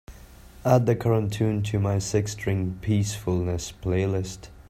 add the current tune to my Six string peacefulness playlist